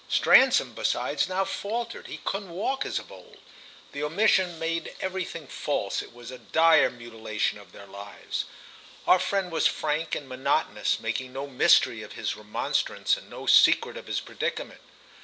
Stransom, besides, now faltered; he couldn't walk as of old. The omission made everything false; it was a dire mutilation of their lives. Our friend was frank and monotonous, making no mystery of his remonstrance and no secret of his predicament.